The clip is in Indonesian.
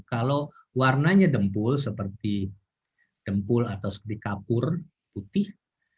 kalau warnanya dempul seperti dempul atau seperti kapur putih